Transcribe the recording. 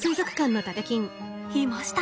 いました。